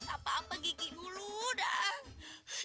apa apa gigi dulu dah